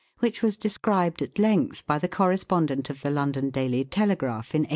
which was described at length by the correspondent of the London Daily Telegraph, in 1878.